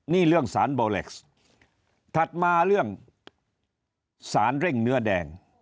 นี่เรื่องสารโบเล็กซ์ถัดมาเรื่องสารเร่งเนื้อแดง